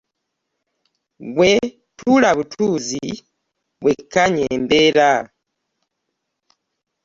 Ggwe tuula butuuzi wekkaanye embeera.